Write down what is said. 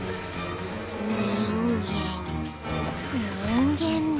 人間だ。